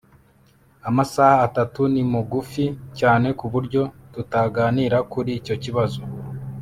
Amasaha atatu ni mugufi cyane kuburyo tutaganira kuri icyo kibazo